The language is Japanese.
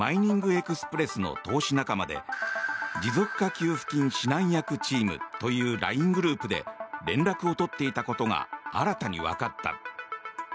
エクスプレスの投資仲間で持続化給付金指南役チームというＬＩＮＥグループで連絡を取っていたことが新たにわかった。